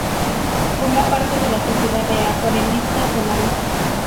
Formó parte de la Sociedad de Acuarelistas Romanos.